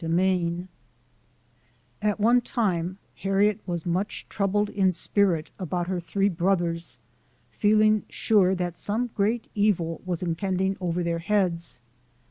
57 At one time, Harriet was much troubled in spirit about her three brothers, feeling sure that some great evil was impending over their heads.